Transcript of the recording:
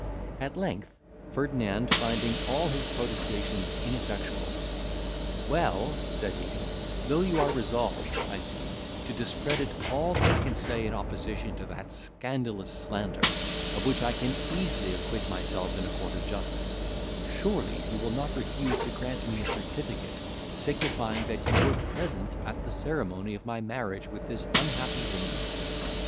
At length, Ferdinand, finding all his protestations ineffectual, "Well," said he, "though you are resolved, I see, to discredit all that I can say in opposition to that scandalous slander, of which I can easily acquit myself in a court of justice, surely you will not refuse to grant me a certificate, signifying that you were present at the ceremony of my marriage with this unhappy woman."